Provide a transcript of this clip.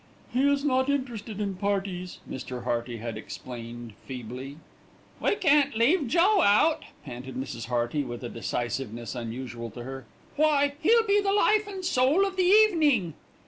"He is not interested in parties," Mr. Hearty had explained feebly. "We can't leave Joe out," panted Mrs. Hearty with a decisiveness unusual to her. "Why, he'll be the life and soul of the evening."